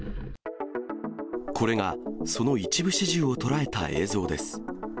これがその一部始終を捉えた映像です。